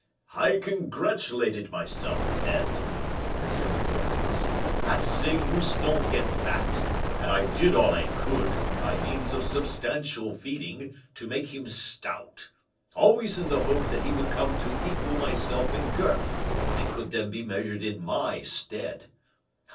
"I congratulated myself, then," resumed Porthos, "at seeing Mouston get fat; and I did all I could, by means of substantial feeding, to make him stout always in the hope that he would come to equal myself in girth, and could then be measured in my stead."